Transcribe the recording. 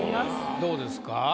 どうですか？